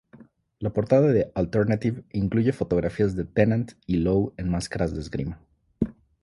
La portada de "Alternative" incluye fotografías de Tennant y Lowe en máscaras de esgrima.